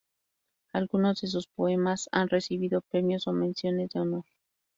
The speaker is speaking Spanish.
Algunos de sus poemas han recibido premios o menciones de honor.